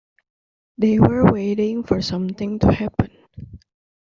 They were waiting for "something to happen".